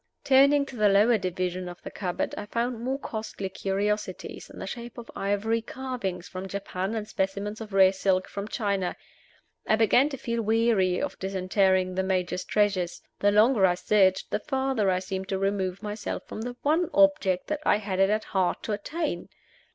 Turning to the lower division of the cupboard, I found more costly curiosities in the shape of ivory carvings from Japan and specimens of rare silk from China. I began to feel weary of disinterring the Major's treasures. The longer I searched, the farther I seemed to remove myself from the one object that I had it at heart to attain.